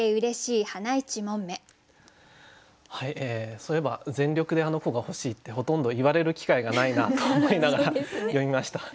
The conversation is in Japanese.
そういえば全力であの子が欲しいってほとんど言われる機会がないなと思いながら読みました。